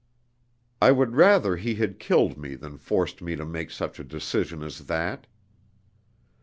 I would rather he had killed me than force me to make such a decision as that!